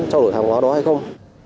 cho loại hàng hóa đó hay không